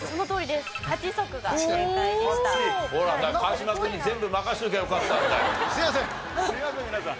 すいません皆さん。